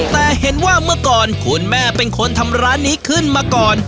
แต่เห็นว่าเมื่อก่อนคุณแม่เป็นคนทำร้านนี้ขึ้นมาก่อน